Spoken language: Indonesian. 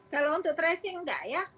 kalau untuk tracing enggak ya